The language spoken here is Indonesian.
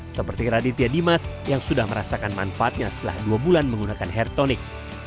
seperti raditya dimas yang sudah merasakan manfaatnya setelah dua bulan menggunakan hair tonic